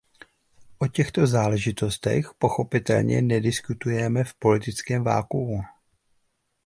O těchto záležitostech pochopitelně nediskutujeme v politickém vakuu.